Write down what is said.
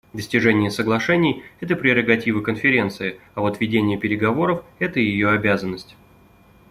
Достижение соглашений − это прерогатива Конференции, а вот ведение переговоров − это ее обязанность.